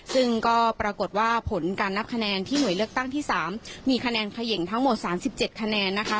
ซึ่งก็ปรากฏว่าผลการนับคะแนนที่หน่วยเลือกตั้งที่๓มีคะแนนเขย่งทั้งหมด๓๗คะแนนนะคะ